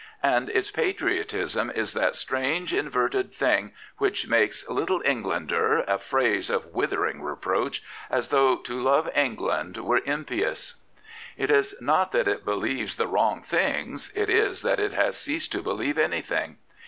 And its patriotism is that strange, inverted thing which makes ' Little Eng lander * a phrase of withering reproach, as though to love England were impjous. It is not that it believes the wrong things: it is that it has ceased to believe anything.